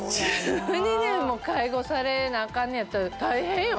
１２年も介護されなアカンのやったら大変よ